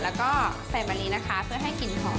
แล้วก็ใส่มะลินะคะเพื่อให้กลิ่นหอม